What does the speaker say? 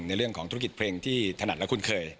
ในเรื่องของธุรกิจเพลงที่ถนัดและคุ้นเคย